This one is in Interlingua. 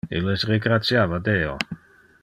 Illes regratiava Deo.